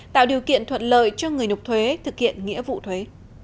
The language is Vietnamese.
tạo điều kiện thuận lợi cho người nộp thuế thực hiện nghĩa vụ thuế